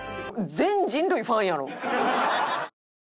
全人類ファンやろ！